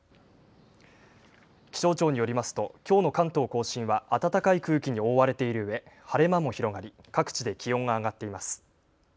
気象庁によりますときょうの関東甲信は暖かい空気に覆われているうえ晴れ間も広がり各地で気温が上がっています。